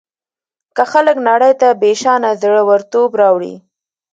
که خلک نړۍ ته بېشانه زړه ورتوب راوړي.